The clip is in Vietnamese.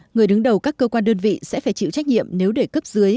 người đứng đầu các cơ quan đơn vị sẽ phải chịu trách nhiệm nếu để cấp dưới